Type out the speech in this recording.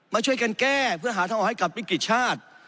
มาช่วยกันแก้เพื่อหาทางออกให้กับวิกฤติชาติ